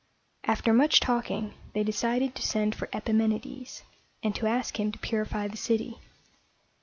After much talking, they decided to send for Ep i men´i des, and to ask him to purify the city.